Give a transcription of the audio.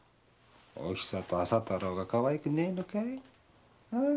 おひさと浅太郎が可愛くねえのかい？